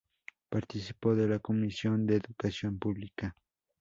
Participó de la Comisión de Educación Pública.